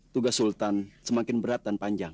tugas sultan semakin berat dan panjang